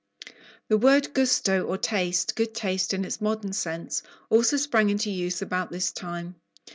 The word "gusto" or taste, "good taste," in its modern sense, also sprang into use about this time.